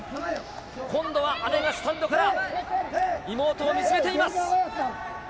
今度は姉がスタンドから、妹を見つめています。